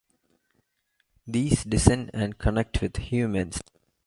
These descend and connect with humans.